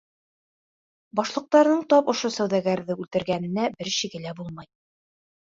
Башлыҡтарының тап ошо сауҙагәрҙе үлтергәненә бер шиге лә булмай.